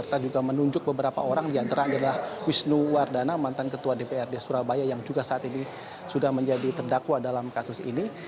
yang terakhir adalah wisnu wardana mantan ketua dprd surabaya yang juga saat ini sudah menjadi terdakwa dalam kasus ini